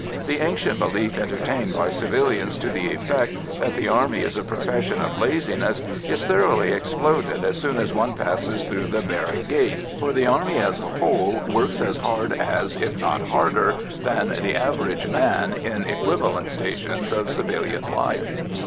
The ancient belief entertained by civilians to the effect that the Army is a profession of laziness is thoroughly exploded as soon as one passes through the barrack gates, for the Army as a whole works as hard as, if not harder than the average man in equivalent stations of civilian life.